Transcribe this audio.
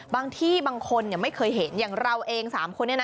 ที่บางคนไม่เคยเห็นอย่างเราเอง๓คนนี้นะ